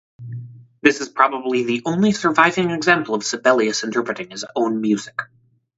This is probably the only surviving example of Sibelius interpreting his own music.